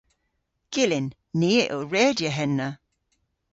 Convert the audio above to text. Gyllyn. Ni a yll redya henna.